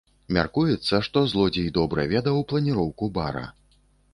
Мяркуецца, што злодзей добра ведаў планіроўку бара.